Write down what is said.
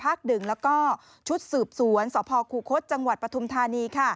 ๑แล้วก็ชุดสืบสวนสพคูคศจังหวัดปฐุมธานี